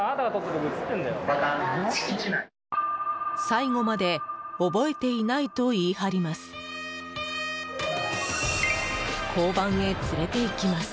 最後まで覚えていないと言い張ります。